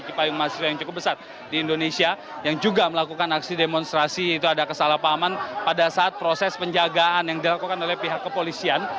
cipayung mahasiswa yang cukup besar di indonesia yang juga melakukan aksi demonstrasi itu ada kesalahpahaman pada saat proses penjagaan yang dilakukan oleh pihak kepolisian